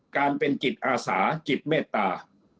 การเป็นจิตอาสาจิตเมตตา